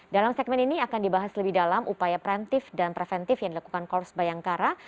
dalam segmen ini akan dibahas lebih dalam upaya preventif dan preventif yang dilakukan korps bayangkara